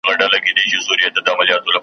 نور یې غم نه وي د نورو له دردونو .